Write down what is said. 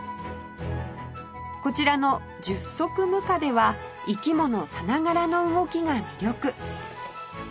こちらの１０足むかでは生き物さながらの動きが魅力